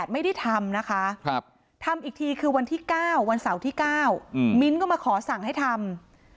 ไม่ได้ทำนะคะทำอีกทีคือวันที่๙วันเสาร์ที่๙มิ้นท์ก็มาขอสั่งให้ทำ